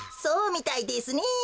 そうみたいですね。